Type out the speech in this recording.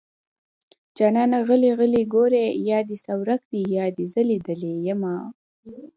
جانانه غلی غلی ګورې يا دې څه ورک دي يا دې زه ليدلې يمه